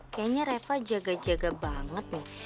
kayaknya reva jaga jaga banget nih